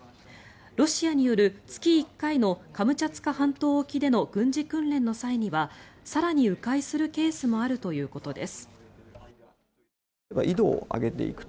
ロシアによる月１回のカムチャツカ半島沖での軍事訓練の際には更に迂回するケースもあるということです。